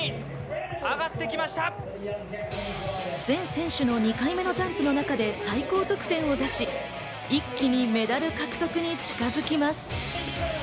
全選手の２回目のジャンプの中で最高得点を出し、一気にメダル獲得に近づきます。